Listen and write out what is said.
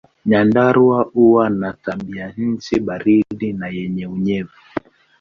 Nyandarua huwa na tabianchi baridi na yenye unyevu.